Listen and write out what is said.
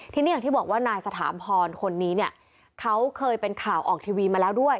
ทีนี้อย่างที่บอกว่านายสถาพรคนนี้เนี่ยเขาเคยเป็นข่าวออกทีวีมาแล้วด้วย